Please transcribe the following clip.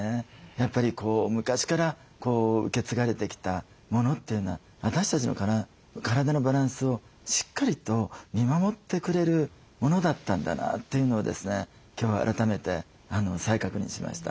やっぱり昔から受け継がれてきたものというのは私たちの体のバランスをしっかりと見守ってくれるものだったんだなというのをですね今日改めて再確認しました。